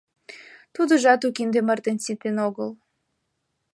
Тудыжат у кинде мартен ситен огыл.